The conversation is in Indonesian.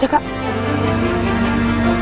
dan terlalu anlatif